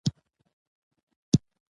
او شواهد د هغه سره ؤ